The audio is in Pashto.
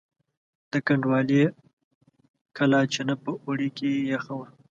د کنډوالې کلا چینه په اوړي کې یخه وه.